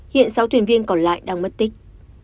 hiện sáu thuyền viên còn lại đang mất tích